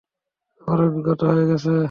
আমার অভিজ্ঞতা হয়ে গেছে।